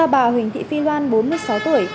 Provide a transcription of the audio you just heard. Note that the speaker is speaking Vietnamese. bà huỳnh thị phi loan bốn mươi sáu tuổi